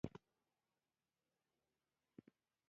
دا ډول مرګونه په هېواد کې دوام لري.